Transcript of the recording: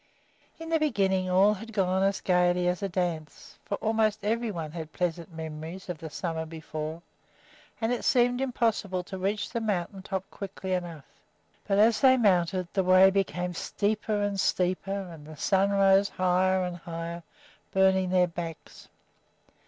In the beginning all had gone as gayly as a dance, for almost every one had pleasant memories of the summer before, and it seemed impossible to reach the mountain top quickly enough; but as they mounted, the way became steeper and steeper, and the sun rose higher and higher, burning their backs.